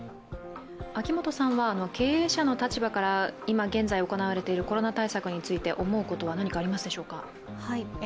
秋元さんは経営者の立場から、今現在行われているコロナ対策について思うことは何かありますでしょうか。